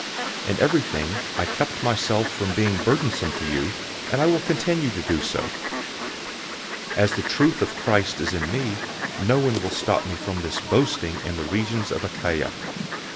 In everything I kept myself from being burdensome to you, and I will continue to do so. 011:010 As the truth of Christ is in me, no one will stop me from this boasting in the regions of Achaia.